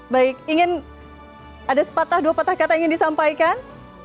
baik ingin ada sepatah dua patah kata yang ingin disampaikan